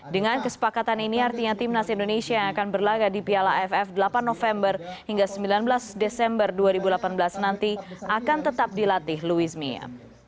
dengan kesepakatan ini artinya timnas indonesia yang akan berlaga di piala aff delapan november hingga sembilan belas desember dua ribu delapan belas nanti akan tetap dilatih luis mia